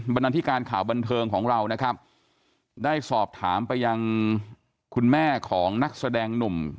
บรรณาธิการข่าวบันเทิงของเรานะครับได้สอบถามไปยังคุณแม่ของนักแสดงหนุ่ม